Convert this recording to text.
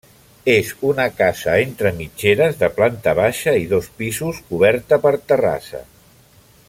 És una casa entre mitgeres, de planta baixa i dos pisos coberta per terrassa.